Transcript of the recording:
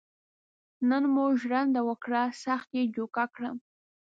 نن مو ژرنده وکړه سخت یې جوکه کړم.